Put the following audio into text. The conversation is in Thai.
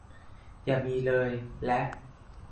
อย่ามีเลย ! และ